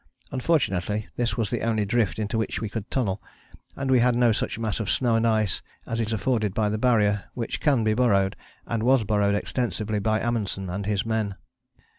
Unfortunately, this was the only drift into which we could tunnel, and we had no such mass of snow and ice as is afforded by the Barrier, which can be burrowed, and was burrowed extensively by Amundsen and his men.